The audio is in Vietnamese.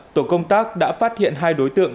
tổ công tác đã phát hiện hai đối tượng